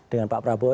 dengan pak prabowo